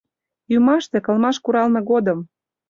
— Ӱмаште, кылмаш куралме годым.